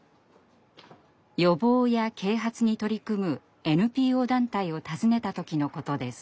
予防や啓発に取り組むＮＰＯ団体を訪ねた時のことです。